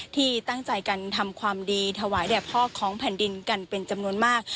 ที่ตั้งใจกันทำความดีถวายแด่พ่อของแผ่นดินกันเป็นจำนวนมาก